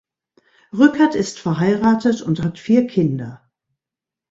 Rückert ist verheiratet und hat vier Kinder.